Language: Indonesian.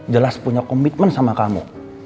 jelas punya komitmen sama kamu